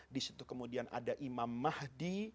disitu kemudian ada imam mahdi